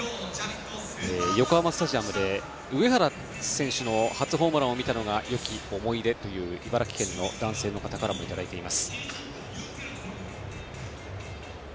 横浜スタジアムで上原選手の初ホームランを見たのがよき思い出と、茨城県の男性の方からもいただいています。